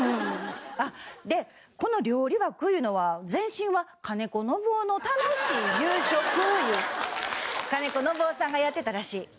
でこの料理枠いうのは前身は『金子信雄の楽しい夕食』いう金子信雄さんがやってたらしい。